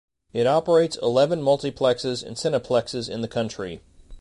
It operates eleven multiplexes and cineplexes in the country.